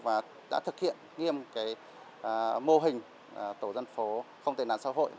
và đã thực hiện nghiêm mô hình tổ dân phố không tên nạn xã hội